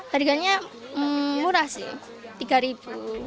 harganya murah sih rp tiga